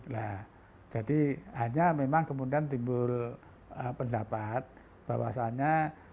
nah jadi hanya memang kemudian timbul pendapat bahwasannya